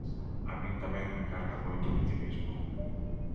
A min tamén me carga moito o vitimismo.